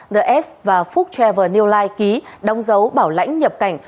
the s và phúc trevor new life ký đồng dấu bảo lãnh nhập cảnh